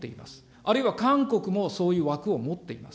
あるいは韓国もそういう枠を持っています。